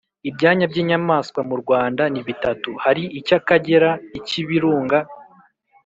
ibyanya by’inyamaswa mu rwanda ni bitatu. hari icy’akagera, ik’ibirunga